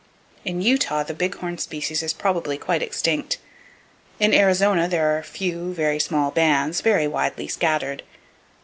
In Utah, the big horn species is probably quite extinct. In Arizona, there are a few very small bands, very widely scattered.